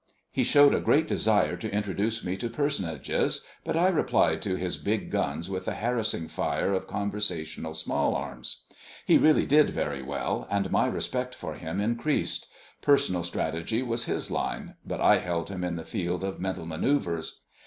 He showed a great desire to introduce me to personages, but I replied to his big guns with a harassing fire of conversational small arms. He really did very well, and my respect for him increased. Personal strategy was his line, but I held him in the field of mental manœuvres.